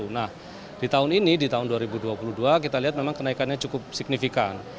nah di tahun ini di tahun dua ribu dua puluh dua kita lihat memang kenaikannya cukup signifikan